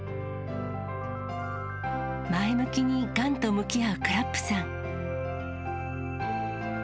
前向きにがんと向き合うくらっＰさん。